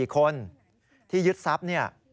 ๔คนที่ยึดทรัพย์เนี่ย